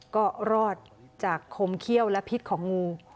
ก็รอดจากคมเขี้ยวและพิษของงู